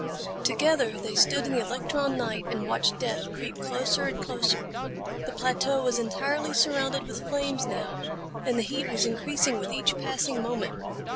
Together they stood in the electron night and watched death creep closer and closer. The plateau was entirely surrounded with flames now and the heat was increasing with each passing moment.